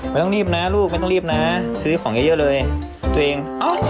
ไม่ต้องรีบนะลูกไม่ต้องรีบนะซื้อของเยอะเลยตัวเอง